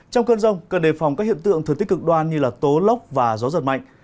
trong cơn rông cần đề phòng các hiện tượng thừa tích cực đoan như tố lốc và gió giật mạnh